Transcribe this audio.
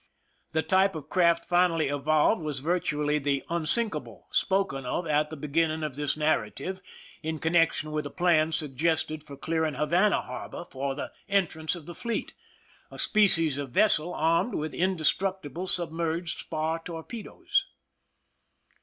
The type of craft finally evolved was virtu ally the " unsinkable " spoken of at the beginning of this narrative in connection with a plan sug gested for clearing Havana harbor for the entrance of the fleet— a species of vessel armed with inde structible submerged spar torpedoes.